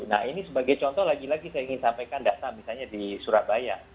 nah ini sebagai contoh lagi lagi saya ingin sampaikan data misalnya di surabaya